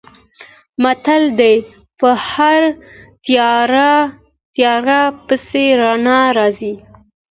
متل دی: په هره تیاره پسې رڼا راځي.